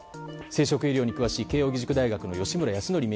生殖医療に詳しい慶應義塾大学の吉村泰典